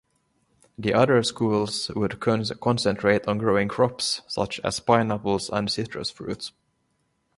The other schools would concentrate on growing crops such as pineapples and citrus fruit.